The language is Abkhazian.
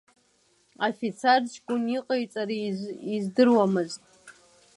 Афицар ҷкәын иҟаиҵара издыруамзт.